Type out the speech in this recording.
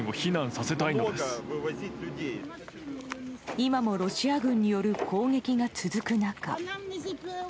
今もロシア軍による攻撃が続く中。